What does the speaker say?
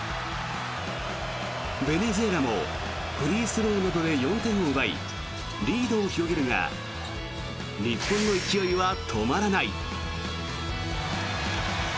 ベネズエラもフリースローなどで４点を奪いリードを広げるが日本の勢いは止まらない。